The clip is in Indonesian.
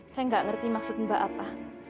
saya nggak ngerti maksud mbak apa